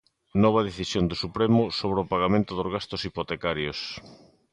Nova decisión do Supremo sobre o pagamento dos gastos hipotecarios.